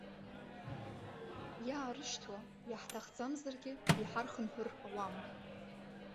Иаарышьҭуа, иаҳҭахӡамзаргьы, иҳархынҳәыр ауам.